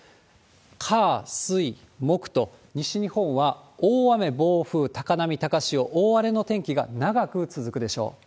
火、水、木と、西日本は大雨、暴風、高波、高潮、大荒れの天気が長く続くでしょう。